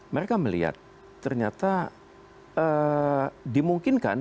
mereka melihat ternyata dimungkinkan